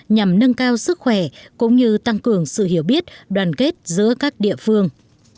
nhằm nâng cao sức khỏe cũng như tăng cường sự hiểu biết đoàn kết giữa các địa phương